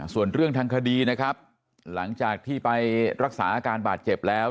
ส่วนเรื่องทางคดีนะครับหลังจากที่ไปรักษาอาการบาดเจ็บแล้ว